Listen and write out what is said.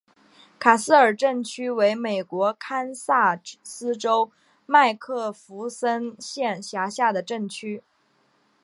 卡斯尔镇区为美国堪萨斯州麦克弗森县辖下的镇区。